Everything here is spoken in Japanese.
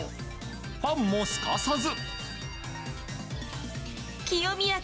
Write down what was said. ファンも、すかさず。